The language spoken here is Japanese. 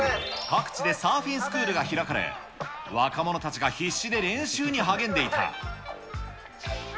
各地でサーフィンスクールが開かれ、若者たちが必死で練習に励んでいた。